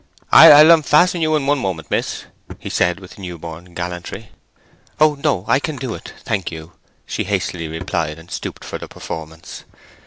"I'll unfasten you in one moment, miss," he said, with new born gallantry. "Oh no—I can do it, thank you," she hastily replied, and stooped for the performance.